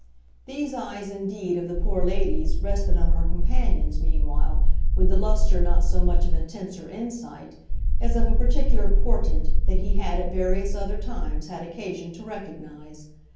These eyes indeed of the poor lady's rested on her companion's, meanwhile, with the lustre not so much of intenser insight as of a particular portent that he had at various other times had occasion to recognise.